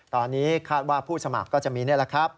ตอนนี้คาดว่าผู้สมัครก็จะมีนี่แหละครับ